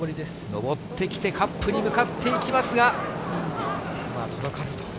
上ってきて、カップに向かっていきますが、届かずと。